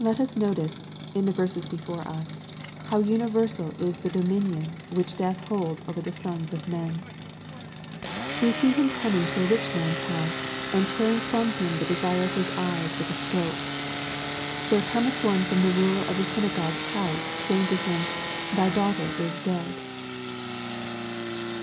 Let us notice, in the verses before us, how universalis the dominion which death holds over the sons of men. We see him coming to a rich man's house, and tearing from him the desire of his eyes with a stroke. " There cometh one from the ruler of the synagogue's house, saying to him. Thy daughter is dead."